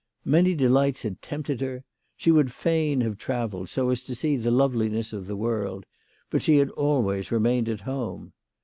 Many delights had tempted her. She would fain have travelled, so as to see the loveliness of the world ; but she had always remained at home.